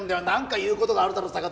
何か言うことがあるだろ？